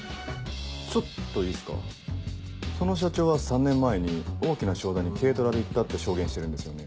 ちょっといいっすかその社長は３年前に大きな商談に軽トラで行ったって証言してるんですよね。